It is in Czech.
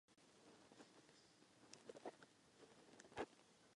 Evropský parlament vítá tento fond.